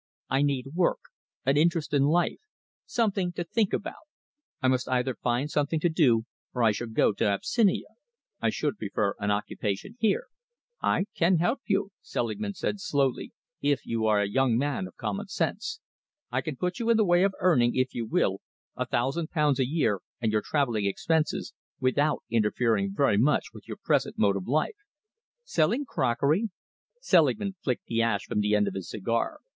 I need work, an interest in life, something to think about. I must either find something to do, or I shall go to Abyssinia. I should prefer an occupation here." "I can help you," Selingman said slowly, "if you are a young man of common sense. I can put you in the way of earning, if you will, a thousand pounds a year and your travelling expenses, without interfering very much with your present mode of life." "Selling crockery?" Selingman flicked the ash from the end of his cigar.